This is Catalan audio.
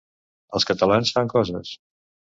Els catalans fan coses.